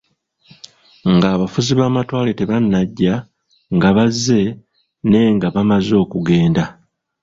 Nga abafuzi b'amatwale tebanajja, nga bazze, ne nga bamaze okugenda.